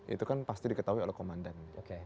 itu kan pasti diketahui oleh komandan